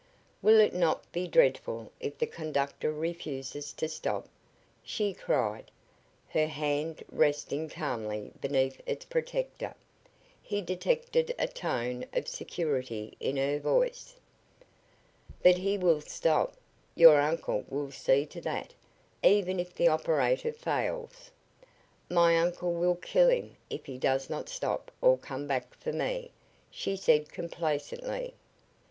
"Will it not be dreadful if the conductor refuses to stop?" she cried, her hand resting calmly beneath its protector. He detected a tone of security in her voice. "But he will stop! Your uncle will see to that, even if the operator fails." "My uncle will kill him if he does not stop or come back for me," she said, complacently.